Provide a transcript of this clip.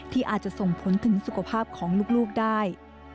ที่อาจจะส่งผลถึงสุขภาพของลูกได้